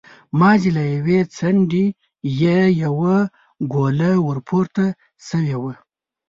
مازې له يوې څنډې يې يوه ګوله ور پورته شوې وه.